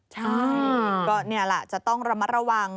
ใช่ก็นี่ล่ะจะต้องระวัง